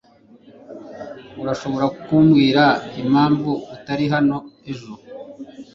Urashobora kumbwira impamvu utari hano ejo?